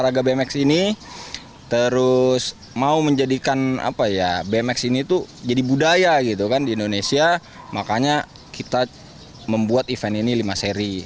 olahraga bmx ini terus mau menjadikan bmx ini jadi budaya di indonesia makanya kita membuat event ini lima seri